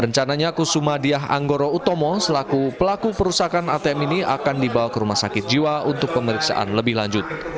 rencananya kusumadiah anggoro utomo selaku pelaku perusakan atm ini akan dibawa ke rumah sakit jiwa untuk pemeriksaan lebih lanjut